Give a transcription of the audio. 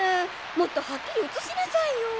もっとはっきりうつしなさいよ。